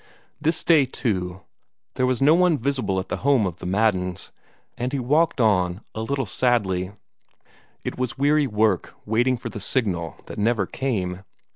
This day, too, there was no one visible at the home of the Maddens, and he walked on, a little sadly. It was weary work waiting for the signal that never came.